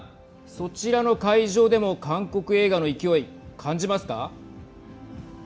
そちらの会場でも韓国映画の勢い、感じますか。